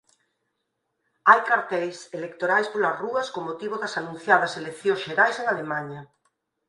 Hai carteis electorais polas rúas con motivo das anunciadas eleccións xerais en Alemaña.